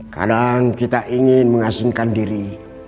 kadang kita ingin mengasingkan diri